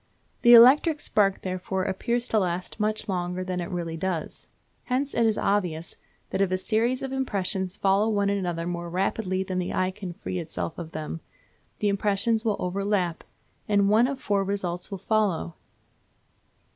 The electric spark, therefore, appears to last much longer than it really does. Hence it is obvious that if a series of impressions follow one another more rapidly than the eye can free itself of them, the impressions will overlap, and one of four results will follow.